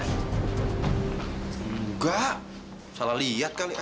enggak salah lihat kali